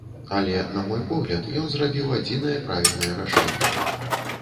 Але, на мой погляд, ён зрабіў адзінае правільнае рашэнне.